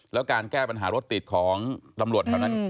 แล้วการแก้ปัญหารถติดของตำรวจแถวนั้น